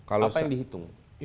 apa yang dihitung